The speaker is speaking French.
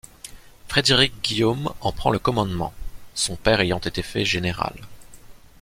Frédéric Guillaume en prend le commandement, son père ayant été fait général.